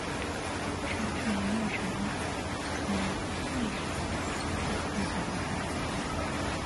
是水城雪可奈所着的日本漫画。